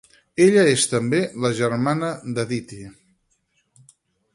Ella és també la germana d'Aditi.